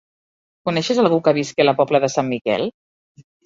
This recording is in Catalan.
Coneixes algú que visqui a la Pobla de Sant Miquel?